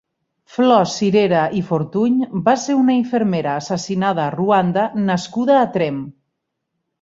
Flors Sirera i Fortuny va ser una infermera assassinada a Ruanda nascuda a Tremp.